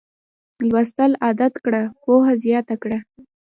لوستل عادت کړه پوهه زیاته کړه